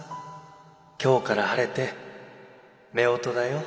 今日から晴れて夫婦だよ。